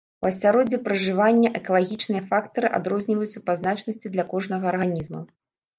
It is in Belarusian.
У асяроддзі пражывання экалагічныя фактары адрозніваюцца па значнасці для кожнага арганізма.